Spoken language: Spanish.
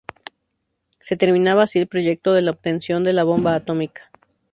Se terminaba así el proyecto de obtención de la bomba atómica.